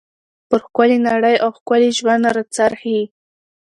پر ښکلى نړۍ او ښکلي ژوند را څرخي.